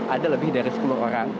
ada lebih dari sepuluh orang